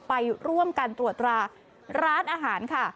ไปร่วมการตรวจร้านร้านอาหาร